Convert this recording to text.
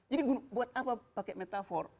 jadi buat apa pakai metafor